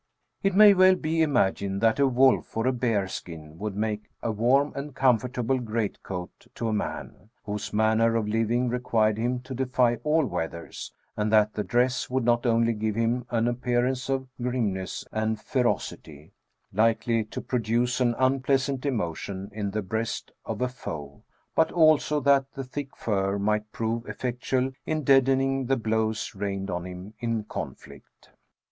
It may be well imagined that a wolf or a bear skin would make a warm and comfortable great coat to a man, whose manner of living required him to defy all weathers, and that the dress would not only give him an appearance of grimness and ferocity, likely to produce an unpleasant emotion in the breast of a foe, but also that the thick fur might prove effectual in deadening the blows rained on him in conflict.